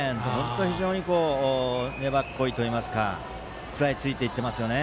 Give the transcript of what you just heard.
非常に粘っこいといいますか食らいついていってますよね。